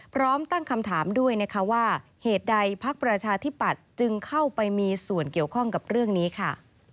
พร้อมตั้งคำถามด้วยนะคะว่าเหตุใดพักประชาธิปัตย์จึงเข้าไปมีส่วนเกี่ยวข้องกับเรื่องนี้ค่ะ